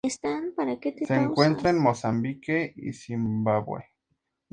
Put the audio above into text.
Se encuentra en Mozambique y Zimbabue.